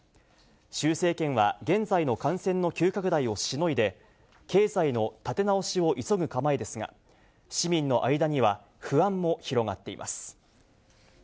習政権は現在の感染の急拡大をしのいで、経済の立て直しを急ぐ構えですが、市民の間には、不安も広がっています。